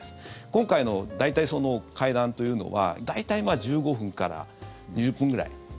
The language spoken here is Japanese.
今回の会談というのは大体１５分から２０分ぐらい。